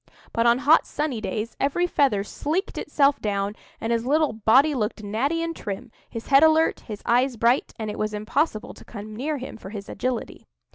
But on hot, sunny days, every feather sleeked itself down, and his little body looked natty and trim, his head alert, his eyes bright, and it was impossible to come near him, for his agility.